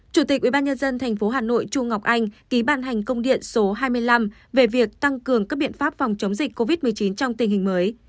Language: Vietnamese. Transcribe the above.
chủ tịch ubnd thành phố hà nội trung ngọc anh ký ban hành công điện số hai mươi năm về việc tăng cường các biện pháp phòng chống dịch covid một mươi chín trong tình hình mới